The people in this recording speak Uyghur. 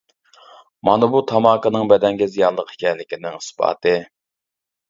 مانا بۇ تاماكىنىڭ بەدەنگە زىيانلىق ئىكەنلىكىنىڭ ئىسپاتى.